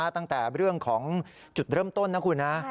ตั้งแต่เรื่องของจุดเริ่มต้นนะคุณนะ